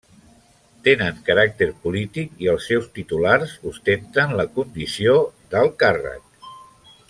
Tenen caràcter polític, i els seus titulars ostenten la condició d'alt càrrec.